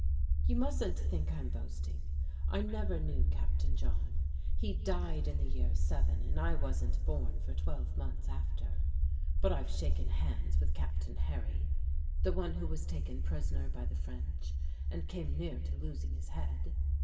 You mustn't think I'm boasting. I never knew Captain John; he died in the year 'seven, and I wasn't born for twelve months after. But I've shaken hands with Captain Harry the one who was taken prisoner by the French, and came near to losing his head.